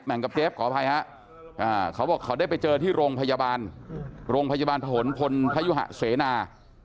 กับเจฟขออภัยฮะเขาบอกเขาได้ไปเจอที่โรงพยาบาลโรงพยาบาลผนพลพยุหะเสนา